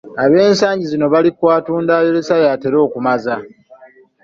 Ab'ensangi zino bali ku, "Atunda ayolesa yatera okumaza"